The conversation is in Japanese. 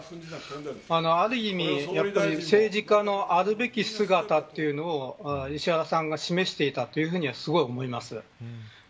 ある意味、政治家のあるべき姿というのを石原さんが示していたとすごい思います。